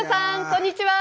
こんにちは！